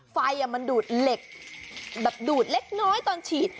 ไฟมันดูดเหล็กแบบดูดเล็กน้อยตอนฉีด